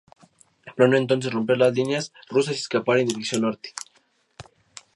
Planeó entonces romper las líneas rusas y escapar en dirección norte.